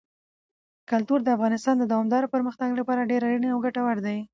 کلتور د افغانستان د دوامداره پرمختګ لپاره ډېر اړین او ګټور دی.